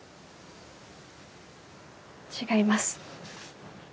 違います。